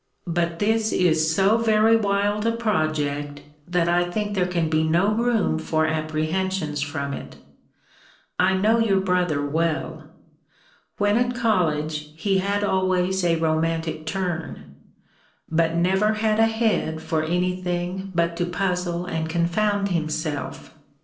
But this is so very wild a project, that I think there can be no room for apprehensions from it. I know your brother well. When at college, he had always a romantic turn: but never had a head for any thing but to puzzle and confound himself.